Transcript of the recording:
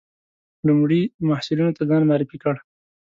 لومړي محصلینو ته ځان معرفي کړ.